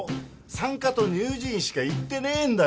産科と乳児院しか行ってねえんだから。